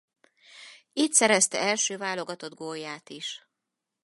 Itt szerezte első válogatott gólját is.